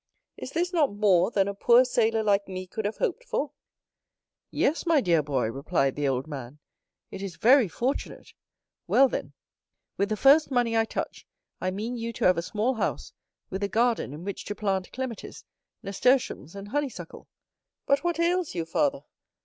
Is this not more than a poor sailor like me could have hoped for?" "Yes, my dear boy," replied the old man, "it is very fortunate." "Well, then, with the first money I touch, I mean you to have a small house, with a garden in which to plant clematis, nasturtiums, and honeysuckle. But what ails you, father?